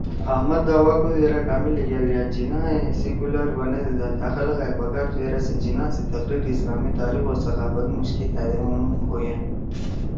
احمد دعوی کودُو یرأ کامے لیِگال یأ جناح ئے سیکولر (Secular) بنَدی دا تھأ خلگائے پکار تُھو یرأ سے جناح سی تقریر، اسلامی تاریخ او ثقافت مُوشکے تھأ دے ہُم بُویَن